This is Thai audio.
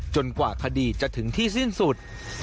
กว่าคดีจะถึงที่สิ้นสุด